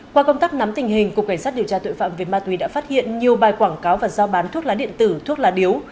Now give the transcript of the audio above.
qua công tác nắm tình hình cục cảnh sát điều tra tội phạm về ma túy đã phát hiện nhiều bài quảng cáo và giao bán thuốc lá điện tử thuốc lá điếu